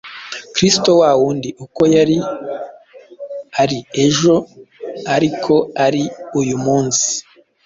Kristo wa wundi uko yari ari ejo ari ko ari uyu munsi